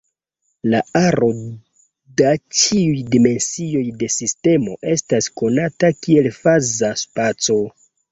La aro da ĉiuj dimensioj de sistemo estas konata kiel faza spaco.